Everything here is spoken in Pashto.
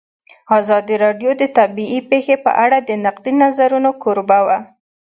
ازادي راډیو د طبیعي پېښې په اړه د نقدي نظرونو کوربه وه.